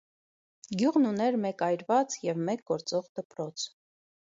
Գյուղն ուներ մեկ այրված և մեկ գործող դպրոց։